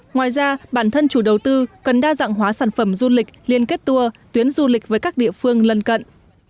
ngoài ra bản thân chủ đầu tư cần đa dạng hóa sản phẩm du lịch liên kết tour tuyến du lịch với các địa phương lân cận